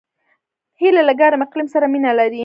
هیلۍ له ګرم اقلیم سره مینه لري